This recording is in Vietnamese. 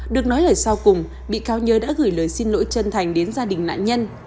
được nói lời sau cùng bị cáo nhớ đã gửi lời xin lỗi chân thành đến gia đình nạn nhân